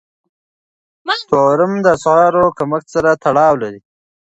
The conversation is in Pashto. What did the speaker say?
تورم د اسعارو کمښت سره تړاو لري.